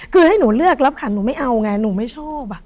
คือให้หนูเลือกรับขันหนูไม่เอาไงหนูไม่ชอบ